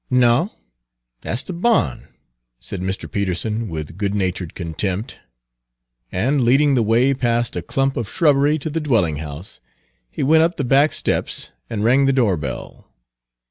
"No, dat's de barn," said Mr. Peterson with good natured contempt; and leading the way past a clump of shrubbery to the dwelling house, he went up the back steps and rang the door bell.